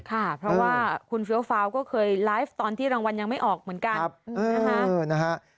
ค่ะเพราะว่าคุณเฟี้ยวฟาวก็เคยไลฟ์ตอนที่รางวัลยังไม่ออกเหมือนกันนะฮะ